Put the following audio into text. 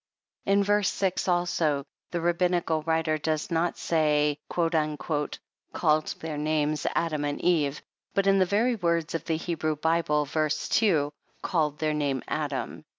In v. 6 also, the Rabbinical writer does not say "called their names Adam and Eve," but in the very words of the Hebrew bible, v. 2, " called their name Adam."